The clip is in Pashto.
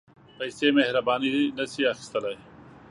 پېسې مهرباني نه شي اخیستلای.